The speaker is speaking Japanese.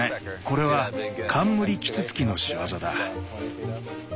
これはカンムリキツツキの仕業だ。